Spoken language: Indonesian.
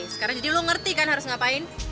sekarang jadi lo ngerti kan harus ngapain